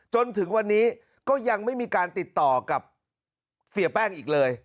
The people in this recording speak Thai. จนถึงวันนี้ก็ยังไม่มีการติดต่อกับเสียแป้งอีกเลย